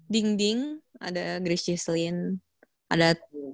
ding ding ada grace cheeseline ada